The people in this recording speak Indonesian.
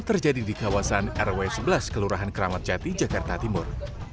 terjadi di kawasan rw sebelas kelurahan keramat jati jakarta timur